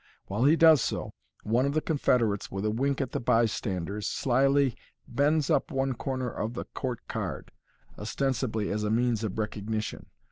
While he does so one of the confederates, with a wink at the bystanders, slily bends up one comer of the court card, ostensibly as a means of recognition.